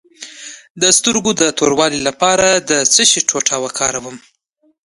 د سترګو د توروالي لپاره د څه شي ټوټې وکاروم؟